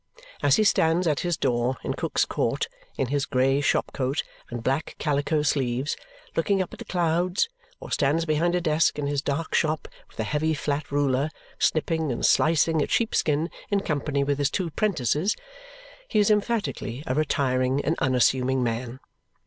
As he stands at his door in Cook's Court in his grey shop coat and black calico sleeves, looking up at the clouds, or stands behind a desk in his dark shop with a heavy flat ruler, snipping and slicing at sheepskin in company with his two 'prentices, he is emphatically a retiring and unassuming man.